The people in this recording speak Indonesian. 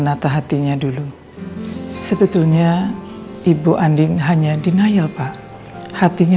bapak harus beriaan